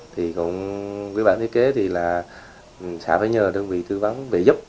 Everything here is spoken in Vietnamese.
thì cũng với bản thiết kế thì là xã phải nhờ đơn vị thư vấn về giúp